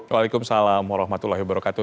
waalaikumsalam warahmatullahi wabarakatuh